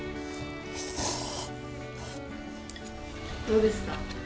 どうですか？